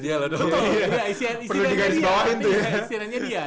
iya easy run nya dia